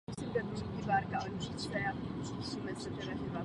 Poté se vrátil do mateřského klubu.